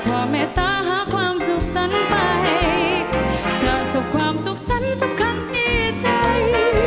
เกิดเป็นใครแล้วจำใส่ใจ